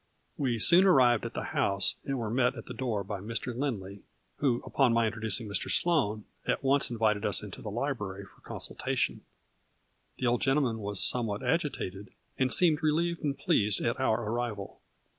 We soon arrived at the house and were met at the door by Mr. Lindley, who, upon my in troducing Mr. Sloane, at once invited us into A FLURRY IN DIAMONDS. 23 the library for consultation. The old gentle man was somewhat agitated and seemed re lieved and pleased at our arrival.